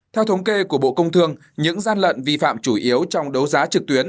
theo thống kê của bộ công thương những gian lận vi phạm chủ yếu trong đấu giá trực tuyến